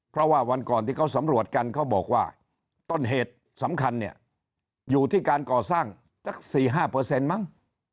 เพราะว่าวันก่อนที่เขาสำรวจกันเขาบอกว่าต้นเหตุสำคัญเนี่ยอยู่ที่การก่อสร้างสัก๔๕มั้ง